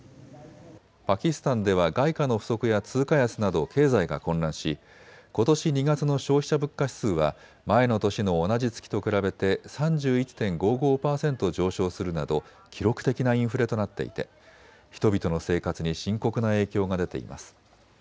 パキスタンでは外貨の不足や通貨安など経済が混乱しことし２月の消費者物価指数は前の年の同じ月と比べて３１．５５％上昇するなど記録的なインフレとなっていて人々の生活に深刻な影響が出ています。